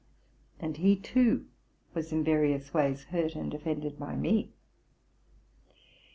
And he, too, was in various ways hurt and offended by me.